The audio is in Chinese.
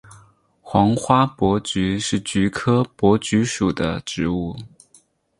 黄花珀菊是菊科珀菊属的植物。